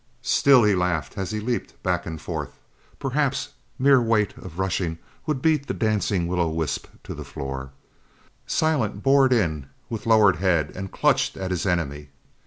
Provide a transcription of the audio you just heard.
Still he laughed as he leaped back and forth. Perhaps mere weight of rushing would beat the dancing will o' the wisp to the floor. Silent bored in with lowered head and clutched at his enemy.